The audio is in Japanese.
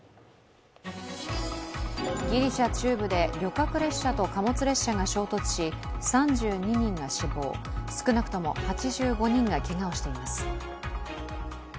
ギリシャ中部で旅客列車と貨物列車が衝突し３２人が死亡、少なくとも８５人がけがをしています。